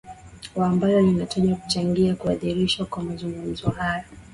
wa ambalo linatajwa kuchangia kuadhirishwa kwa mazungumzo hayo